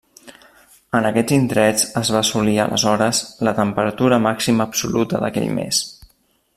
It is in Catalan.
En aquests indrets es va assolir, aleshores, la temperatura màxima absoluta d'aquell mes.